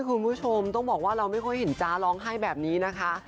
คุณผู้ชมต้องบอกว่าเราไม่ค่อยเห็นจ๊ะร้องไห้แบบนี้นะคะ